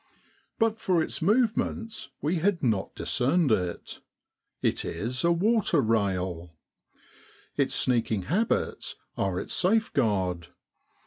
But for its move ments we had not discerned it. It is q, water rail. Its sneaking habits are its safe guard.